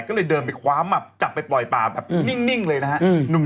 ก็เลยเดินไปคว้ามับจับไปปล่อยป่าแบบนิ่งเลยนะฮะ